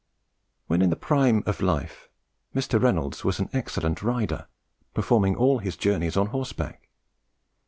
When in the prime of life, Mr. Reynolds was an excellent rider, performing all his journeys on horseback.